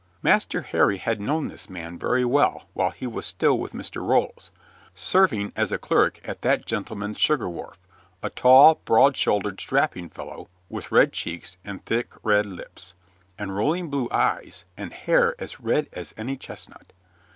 Master Harry had known this man very well while he was still with Mr. Rolls, serving as a clerk at that gentleman's sugar wharf, a tall, broad shouldered, strapping fellow, with red cheeks, and thick red lips, and rolling blue eyes, and hair as red as any chestnut.